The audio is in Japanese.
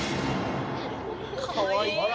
かわいい！